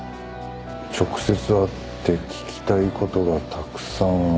「直接会って聞きたい事がたくさんあるの」